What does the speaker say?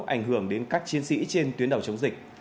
ảnh hưởng đến các chiến sĩ trên tuyến đầu chống dịch